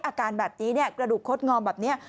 อาการแบบนี้กระดูกคดงอมแบบนี้